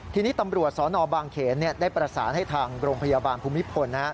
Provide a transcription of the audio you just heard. ทีนี้ตำรวจสนบางเขนได้ประสานให้ทางโรงพยาบาลภูมิพล